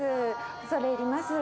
恐れ入ります。